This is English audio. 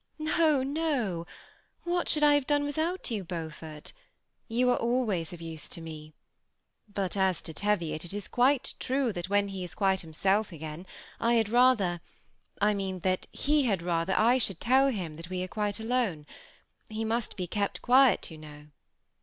" No, no ; what should I have done without you, Beaufort? you are always of use to me; but as to Teviot, it is true that when he is quite himself again, I bad rather — I mean that he had Tather I should tell bim that we are quite alone. He must be kept quite quiet, you know.